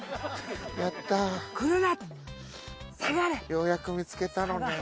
ようやく見つけたのねん。